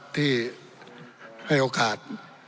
ที่ให้โอกาส